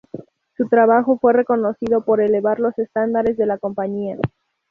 Su trabajo fue reconocido por elevar los estándares de la compañía.